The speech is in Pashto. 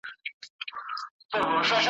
د لېوه له داړو تښتو تر چړو د قصابانو `